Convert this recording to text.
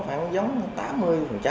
phải giống tám mươi năm mươi